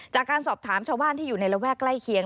จากการสอบถามชาวบ้านที่อยู่ในระแวกใกล้เคียง